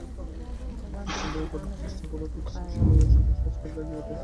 যখনই ঈশ্বরচিন্তা করিতে চেষ্টা কর, ঠিক সেই সময়েই ঐ-সকল সংস্কার জাগিয়া উঠে।